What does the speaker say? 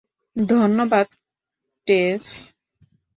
ধন্যবাদ, টেস।